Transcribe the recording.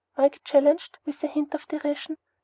Mike challenged, with a hint of derision.